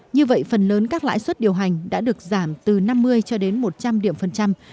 như vậy phần lớn các lãi suất điều hành đã được giảm từ năm mươi cho đến một trăm linh điểm phần trăm